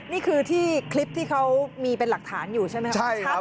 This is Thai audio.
นี่คือที่คลิปที่เขามีเป็นหลักฐานอยู่ใช่ไหมครับ